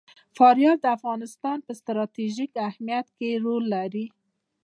فاریاب د افغانستان په ستراتیژیک اهمیت کې رول لري.